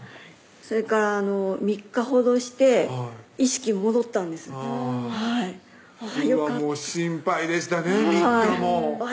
それから３日ほどして意識戻ったんですうわ